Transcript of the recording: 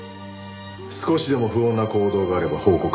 少しでも不穏な行動があれば報告してくれ。